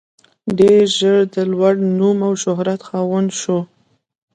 ډېر ژر د لوړ نوم او شهرت خاوند شو.